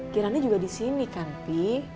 kiranya juga di sini kan pi